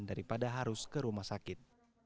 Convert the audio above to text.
daripada harus ke rumah sakit